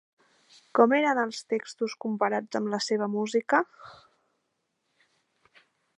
Com eren els textos comparats amb la seva música?